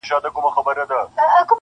ستا د غېږي یو ارمان مي را پوره کړه,